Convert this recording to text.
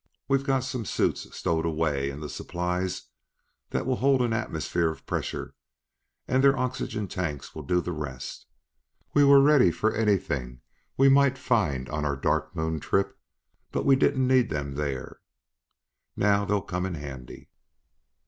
We've got some suits stowed away in the supplies that will hold an atmosphere of pressure, and their oxygen tanks will do the rest. We were ready for anything we might find on our Dark Moon trip, but we didn't need them there. Now they'll come in handy."